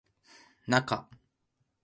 なか